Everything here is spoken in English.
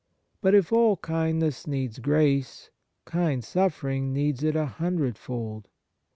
But if all kindness needs grace, kind suffering needs it a hundredfold.